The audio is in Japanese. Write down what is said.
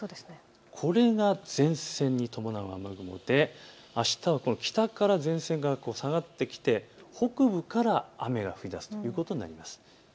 これが前線に伴う雨雲であしたは北から前線が下がってきて北部から雨が降りだすということになります。